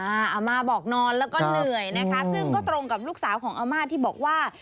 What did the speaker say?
อาม่าบอกนอนแล้วก็เหนื่อยนะคะซึ่งก็ตรงกับลูกสาวของอาม่าที่บอกว่า